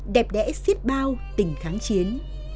đẹp đẽ siết bao tình kháng chiến